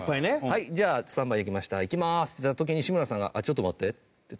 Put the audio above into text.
「はいスタンバイできました。いきます」って言った時に志村さんが「あっちょっと待って」って止めて。